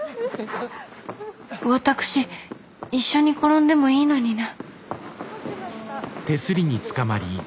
私一緒に転んでもいいのにな。